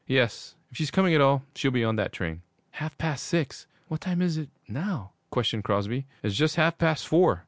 Yes, if she's coming at all, she'll be on that train.' 'Half past six? What time is it now?' questioned Crosby. 'It's just half past four.